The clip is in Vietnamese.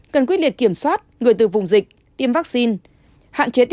cần quyết liệt kiểm soát người từ vùng dịch tiêm vaccine